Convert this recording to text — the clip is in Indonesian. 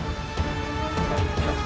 kepada gusti allah